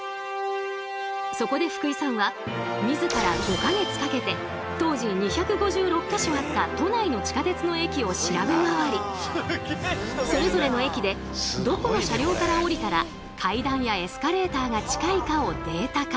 そこで福井さんは自ら５か月かけて当時２５６か所あった都内の地下鉄の駅を調べ回りそれぞれの駅でどこの車両から降りたら階段やエスカレーターが近いかをデータ化。